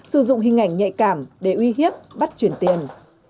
sử dụng hình ảnh nhạy cảm để uy hiếp bắt chuyển tiền